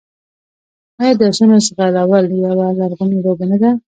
آیا د اسونو ځغلول یوه لرغونې لوبه نه ده؟